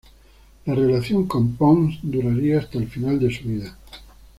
La relación con Pons duraría hasta el final de su vida.